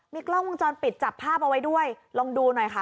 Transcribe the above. กล้องวงจรปิดจับภาพเอาไว้ด้วยลองดูหน่อยค่ะ